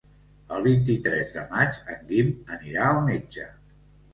El vint-i-tres de maig en Guim anirà al metge.